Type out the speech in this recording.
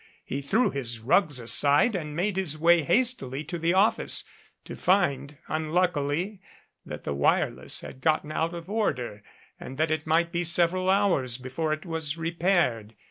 He threw his rugs aside and made his way hastily to the office, to find unluckily that the wireless had gotten out of order, and that it might be several hours before it was re paired.